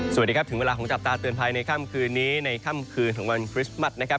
สวัสดีครับถึงเวลาของจับตาเตือนภัยในค่ำคืนนี้ในค่ำคืนของวันคริสต์มัสนะครับ